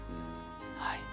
はい。